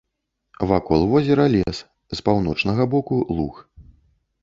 Вакол возера лес, з паўночнага боку луг.